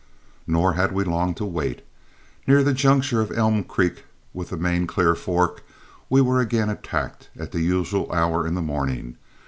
Nor had we long to wait. Near the juncture of Elm Creek with the main Clear Fork we were again attacked at the usual hour in the morning.